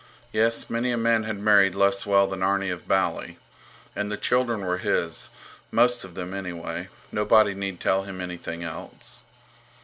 Yes, many a man had married less well than Arni of Bali. And the children were his, most of them, anyway. Nobody need tell him anything else.